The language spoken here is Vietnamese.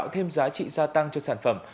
đang tạo thêm giá trị gia tăng cho sản phẩm